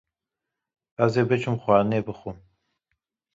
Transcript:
Ez ê biçim xwarinê bixwim.